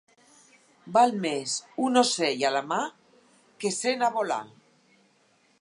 Val més un ocell a la mà que cent a volar